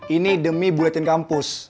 ini demi buletin kampus